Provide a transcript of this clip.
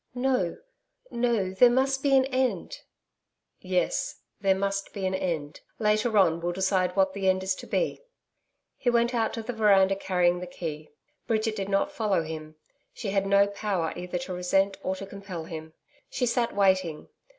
'No, no. There must be an end.' 'Yes. There must be an end. Later on, we'll decide what the end is to be.' He went out to the veranda carrying the key. Bridget did not follow him. She had no power either to resent or to compel him. She sat waiting.